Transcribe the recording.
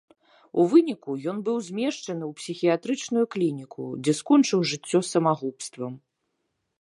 У выніку ён быў змешчаны ў псіхіятрычную клініку, дзе скончыў жыццё самагубствам.